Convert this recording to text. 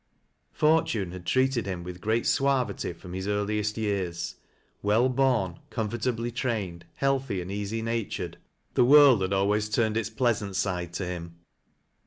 Fortune had treated him with great suavity from his earliest years. Well born comfortably trained, healthy and easy natured, the wiuld had always turned its pleasant side to him.